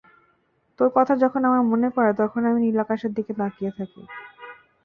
তোর কথা যখন আমার মনে পরে তখন আমি নীল আকাশের দিকে তাকিয়ে থাকি।